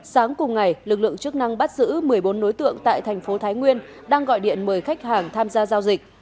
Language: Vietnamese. sáng cùng ngày lực lượng chức năng bắt giữ một mươi bốn đối tượng tại thành phố thái nguyên đang gọi điện mời khách hàng tham gia giao dịch